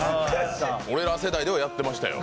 俺ら世代ではやってましたよ。